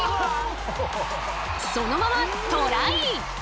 そのままトライ！